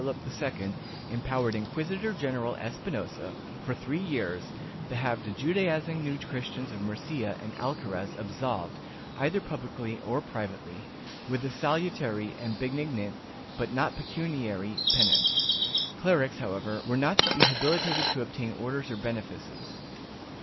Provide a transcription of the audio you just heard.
In 1567, Pius V, at the request of Philip II, empowered Inquisitor general Espinosa, for three years, to have the Judaizing New Christians of Murcia and Alcaraz absolved, either publicly or privately, with a salutary and benignant, but not pecuniary, penance; clerics, however, were not to be habili tated to obtain orders or benefices.